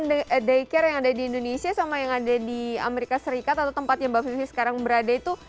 dengan daycare yang ada di indonesia sama yang ada di amerika serikat atau tempatnya mbak vivi sekarang berada itu